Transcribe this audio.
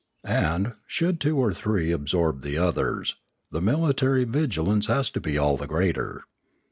And, should two or three absorb the others, the mili tary vigilance has to be all the greater.